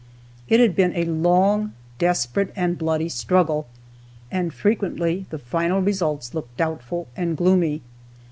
It had been a long, desperate, and bloody struggle, and frequently the final result looked doubtful and gloomy.